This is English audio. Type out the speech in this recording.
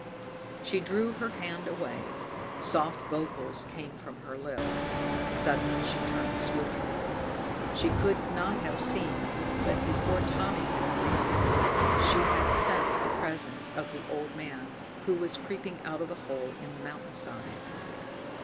She drew her hand away. Soft vocals came from her lips. Suddenly she turned swiftly. She could not have seen, but before Tommy had seen, she had sensed the presence of the old man who was creeping out of the hole in the mountainside.